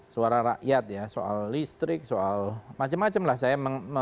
suara rakyat ya soal listrik soal macam macam lah saya